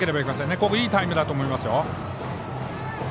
ここ、いいタイムだと思いますよ。